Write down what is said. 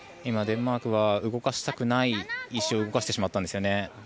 デンマークは動かしたくない石を動かしてしまったんですね。